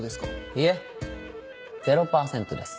いえ０％です。